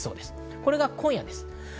これが今夜です。